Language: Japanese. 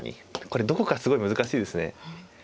これどこかすごい難しいですね。